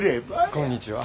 こんにちは。